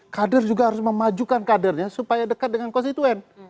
kader juga harus memajukan kadernya supaya dekat dengan konstituen